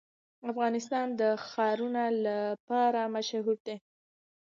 افغانستان د ښارونه لپاره مشهور دی.